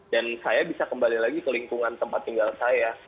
dan saya bisa kembali lagi ke lingkungan tempat tinggal saya